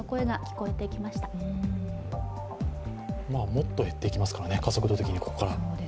もっと減っていきますからね、加速度的に、ここから。